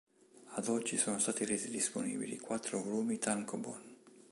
Ad oggi sono stati resi disponibili quattro volumi tankōbon.